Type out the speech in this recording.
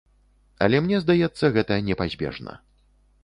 Але мне здаецца, гэта непазбежна.